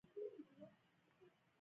• کتاب د ذهن لپاره وزرونه دي.